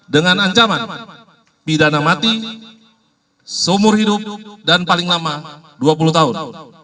dengan ancaman pidana mati seumur hidup dan paling lama dua puluh tahun